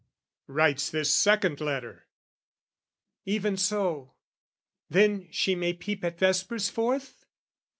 "Writes this second letter?" "Even so! "Then she may peep at vespers forth?"